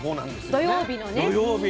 土曜日の。